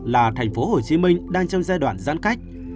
là thành phố hồ chí minh đang trong giai đoạn giãn cách